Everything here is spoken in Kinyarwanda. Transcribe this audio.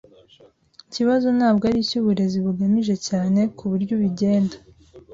Ikibazo ntabwo aricyo uburezi bugamije cyane kuburyo ubigenda.